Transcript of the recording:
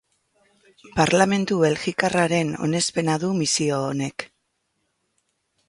Parlamentu belgikarraren onespena du misio honek.